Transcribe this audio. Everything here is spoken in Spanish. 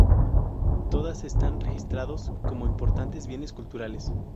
Todas están registrados como importantes Bienes Culturales.